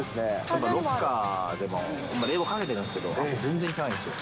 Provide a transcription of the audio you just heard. ロッカーで冷房かけてるんですけど、全然効かないんですよ。